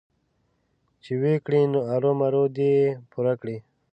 چې ويې کړي نو ارومرو دې يې پوره کړي.